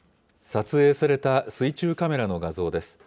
撮影された水中カメラの画像です。